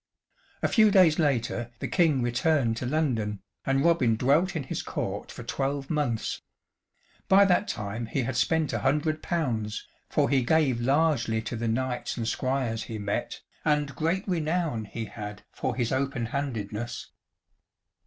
A few days later the King returned to London, and Robin dwelt in his court for twelve months. By that time he had spent a hundred pounds, for he gave largely to the knights and squires he met, and great renown he had for his openhandedness.